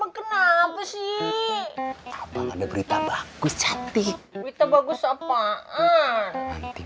cantik cantik abang udah ama kenapa sih abang ada berita bagus hati kita bagus apaan nanti